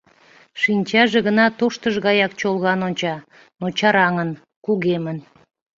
Шинчаже гына тоштыж гаяк чолган онча, но чараҥын, кугемын.